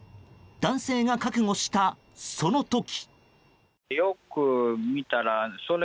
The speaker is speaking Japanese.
男性が覚悟した、その時。